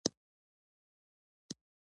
دېوالونو له ډلې یو ستر دېوال موقعیت درلود.